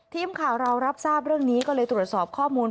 ทีมข่าวเรารับทราบเรื่องนี้ก็เลยตรวจสอบข้อมูล